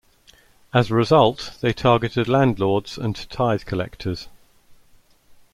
As a result they targeted landlords and tithe collectors.